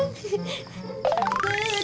betapa bahagianya pasti